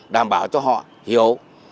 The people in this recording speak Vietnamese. đảm bảo cho họ hiểu